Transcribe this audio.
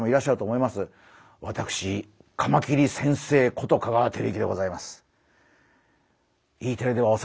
私カマキリ先生こと香川照之でございます。